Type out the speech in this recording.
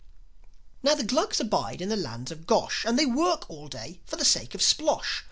Now, the Glugs abide in the lands of Gosh; And they work all day for the sake of Splosh.